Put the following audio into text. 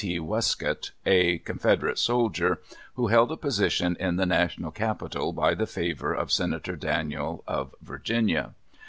T. Westcott, a Confederate soldier, who held a position in the National Capital by the favor of Senator Daniel, of Virginia.